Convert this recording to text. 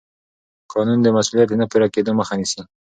قانون د مسوولیت د نه پوره کېدو مخه نیسي.